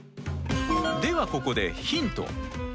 ではここでヒント。